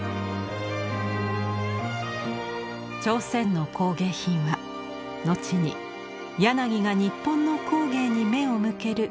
朝鮮の工芸品は後に柳が日本の工芸に目を向ける